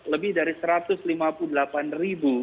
lebih dari satu ratus lima puluh delapan ribu